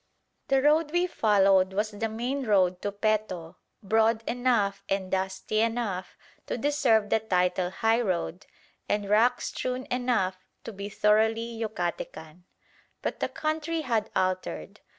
The road we followed was the main road to Peto, broad enough and dusty enough to deserve the title "highroad," and rock strewn enough to be thoroughly Yucatecan. But the country had altered.